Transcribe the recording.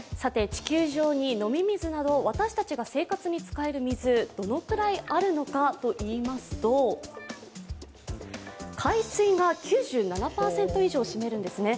地球上に飲み水など、私たちが生活に使える水、どのくらいあるのかといいますと海水が９７％以上を占めるんですね。